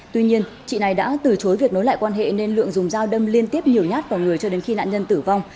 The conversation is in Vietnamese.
tuy nhiên chị này đã từ chối việc nối lại quan hệ nên lượng dùng dao đâm liên tiếp nhiều nhát vào người cho đến khi nạn nhân tử vong